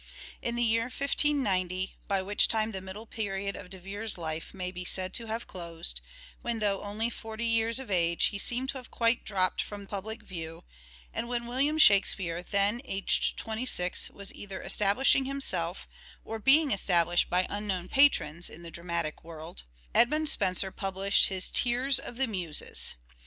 In the year 1590, by which time the middle period of De Vere's life may be said to have closed, when though only forty years of age he seemed to have quite dropped from public view, and when William Shakspere, then aged twenty six, was either establish ing himself, or being established by unknown patrons, in the dramatic world, Edmund Spenser published his "Tears of the Muses."